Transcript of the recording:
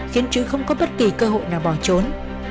khiến chứ không có bất kỳ cơ hội nào bỏ trốn